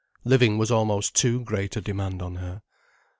Living was almost too great a demand on her.